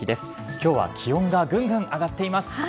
きょうは気温がぐんぐん上がっています。